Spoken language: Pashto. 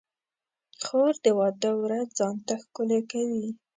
خور د واده ورځ ځان ته ښکلې کوي.